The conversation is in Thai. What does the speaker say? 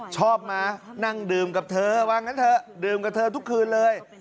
ชอบมานั่งดื่มกับเธอว่างั้นเถอะดื่มกับเธอทุกคืนเลย